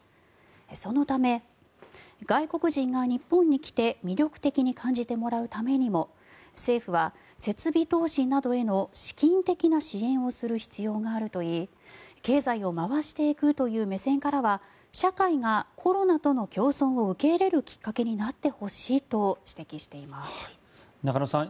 そのため、外国人が日本に来て魅力的に感じてもらうためにも政府は設備投資などへの資金的な支援をする必要があるといい経済を回していくという目線からは社会がコロナとの共存を受け入れるきっかけになってほしいと中野さん